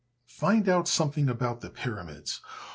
Find out something about the pyramids.